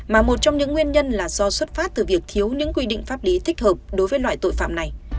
mà một trong những nguyên nhân là do xuất phát từ việc thiếu những quy định pháp lý thích hợp đối với loại tội phạm này